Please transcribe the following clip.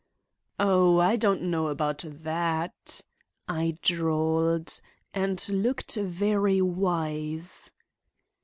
"Ah! I don't know about that," I drawled, and looked very wise.